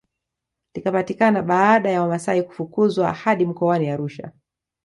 Likapatikana baada ya wamasai kufukuzwa hadi mkoani Arusha